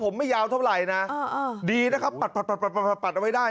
ผมไม่ยาวเท่าไหร่นะดีนะครับปัดเอาไว้ได้